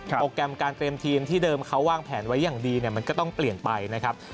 โปรแกรมการเตรียมทีมที่เดิมเขาวางแผนไว้อย่างดีเนี่ยมันก็ต้องเปลี่ยนไปนะครับ